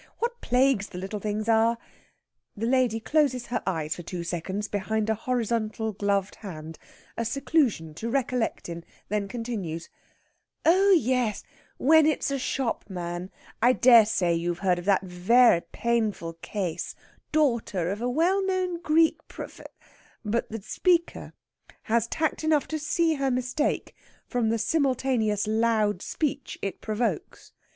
What plagues the little things are!" The lady closes her eyes for two seconds behind a horizontal gloved hand, a seclusion to recollect in; then continues: "Oh yes, when it's a shopman. I dare say you've heard of that very painful case daughter of a well known Greek Pr...." But the speaker has tact enough to see her mistake from the simultaneous loud speech it provokes.